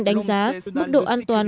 đánh giá mức độ an toàn